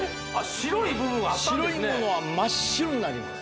白い部分は真っ白になります